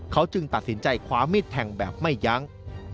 เขาจึงตัดสินใจคว้ามิดแทงแบบไม่ยั้ง